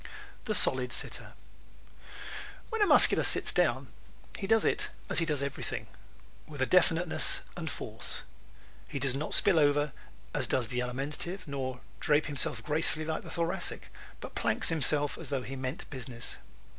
The Solid Sitter ¶ When a Muscular sits down he does it as he does everything with definiteness and force. He does not spill over as does the Alimentive nor drape himself gracefully like the Thoracic, but planks himself as though he meant business.